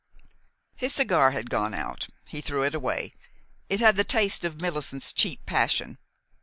His cigar had gone out. He threw it away. It had the taste of Millicent's cheap passion.